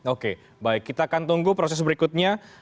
oke baik kita akan tunggu proses berikutnya